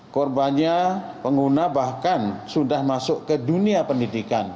korbannya pengguna bahkan sudah masuk ke dunia pendidikan